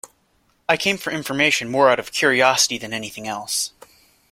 I came for information more out of curiosity than anything else.